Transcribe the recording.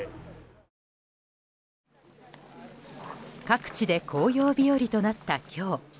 各地で紅葉日和となった今日。